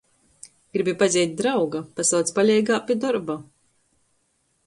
Gribi pazeit drauga, pasauc paleigā pi dorba.